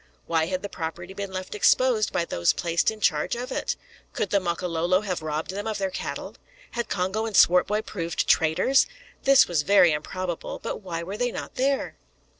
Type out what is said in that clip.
Why had the property been left exposed by those placed in charge of it? Could the Makololo have robbed them of their cattle? Had Congo and Swartboy proved traitors? This was very improbable. But why were they not there?